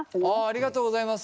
ありがとうございます。